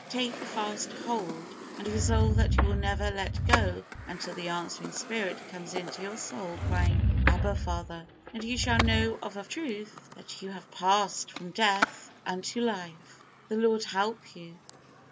Take fast hold, and resolve that you will never let go until the answering Spirit comes into your soul, crying, "Abba, Father," and you shall know of a truth that you have passed from death unto life. The Lord help you.